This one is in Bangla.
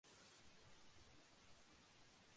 কষ্ট করিলে তার সুফল আছে নিশ্চিত।